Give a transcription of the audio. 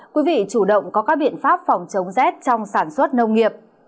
quý vị chủ động có các biện pháp phòng chống rét trong sản xuất nông nghiệp